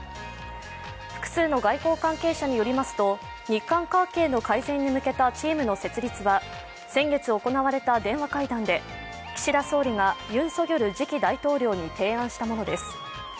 複数の外交関係者によりますと、日韓関係の改善に向けたチームの設立は先月行われた電話会談で、岸田総理がユン・ソギョル次期大統領に提案したものです。